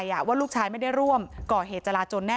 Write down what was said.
พร้อมด้วยผลตำรวจเอกนรัฐสวิตนันอธิบดีกรมราชทัน